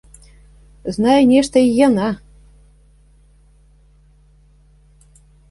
Знае нешта й яна.